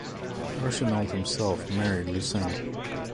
Erchinoald himself married Leutsinde.